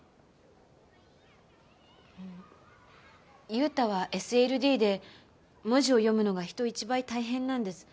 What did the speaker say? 優太はＳＬＤで文字を読むのが人一倍大変なんです。